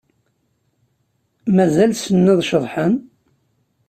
Mazal ssnen ad ceḍḥen?